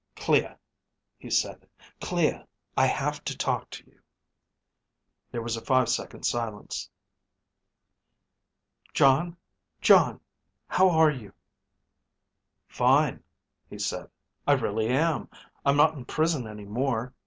"Clea," he said. "Clea I have to talk to you." There was a five second silence. "Jon, Jon, how are you?" "Fine," he said. "I really am. I'm not in prison any more.